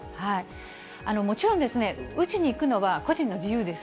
もちろん、打ちに行くのは個人の自由です。